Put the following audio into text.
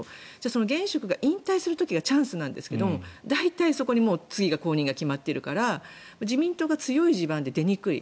その現職が引退する時がチャンスなんですが大体、そこは後任が決まってるから自民党が強い地盤で出にくい。